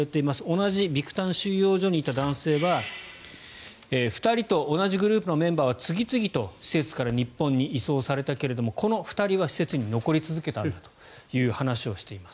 同じビクタン収容所にいた男性は２人と同じグループのメンバーは次々と施設から日本に移送されたけれどもこの２人は施設に残り続けたんだという話をしています。